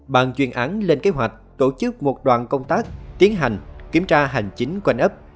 bàn chuyên án lên kế hoạch tổ chức một đoàn công tác tiến hành kiểm tra hành chính quanh ấp